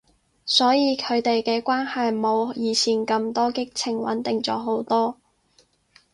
所以佢哋嘅關係冇以前咁多激情，穩定咗好多